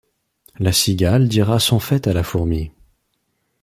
La cigale dira son fait à la fourmi.